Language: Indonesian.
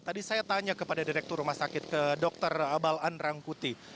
tadi saya tanya kepada direktur rumah sakit ke dr balan rangkuti